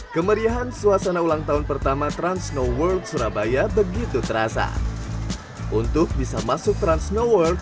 kemeriahan suasana ulang tahun pertama transnoworld surabaya begitu terasa untuk bisa masuk transnoworld